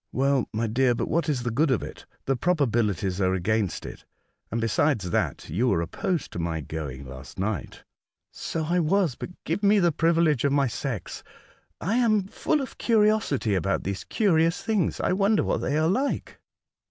'' Well, my dear, but what is the good of it ? The probabilities are against it ; and, beside that, you were opposed to my going last night." " So I was ; but give me the privilege of my sex. I am full of curiosity about these curious beings. I wonder what they are like."